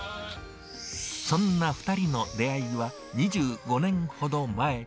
そんな２人の出会いは２５年ほど前。